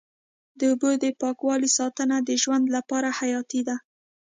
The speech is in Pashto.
د اوبو د پاکوالي ساتنه د ژوند لپاره حیاتي ده.